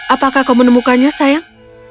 apakah kau menemukannya sayang